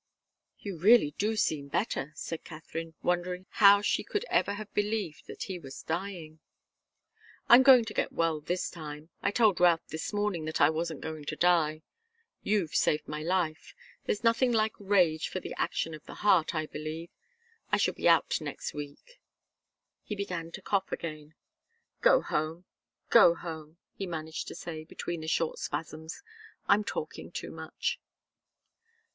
"You really do seem better," said Katharine, wondering how she could ever have believed that he was dying. "I'm going to get well this time. I told Routh this morning that I wasn't going to die. You've saved my life. There's nothing like rage for the action of the heart, I believe. I shall be out next week." He began to cough again. "Go home go home," he managed to say, between the short spasms. "I'm talking too much."